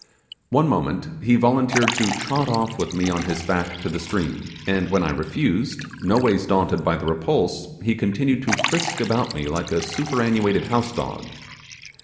One moment he volunteered to trot off with me on his back to the stream; and when I refused, noways daunted by the repulse, he continued to frisk about me like a superannuated house dog.